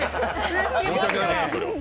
申し訳なかった、それは。